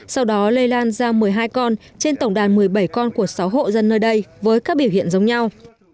sau đó lây lan ra một mươi hai con trên tổng đàn một mươi bảy con của sáu hộ dân nơi đây với các biểu hiện giống nhau